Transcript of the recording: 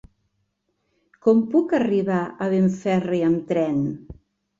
Com puc arribar a Benferri amb tren?